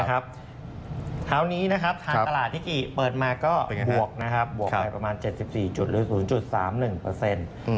คราวนี้ทางตลาดที่เปิดมาก็บวกไปประมาณ๗๔จุดหรือ๐๓๑